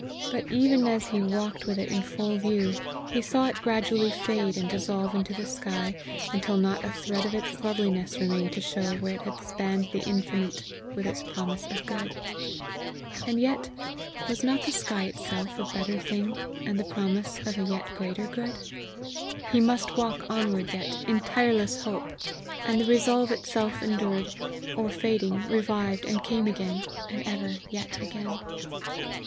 But even as he walked with it full in view, he saw it gradually fade and dissolve into the sky, until not a thread of its loveliness remained to show where it had spanned the infinite with its promise of good. And yet, was not the sky itself a better thing, and the promise of a yet greater good? He must walk onward yet, in tireless hope! And the resolve itself endured or fading, revived, and came again, and ever yet again.